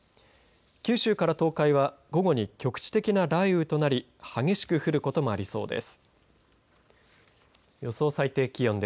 九州から東海は午後に局地的な雷雨となり激しく降ることもありそうです。